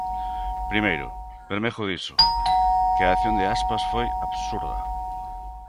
Primeiro, Bermejo dixo que acción de Aspas foi "absurda".